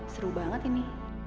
seru banget ini